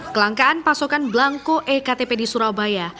kelangkaan pasokan belangko ektp di surabaya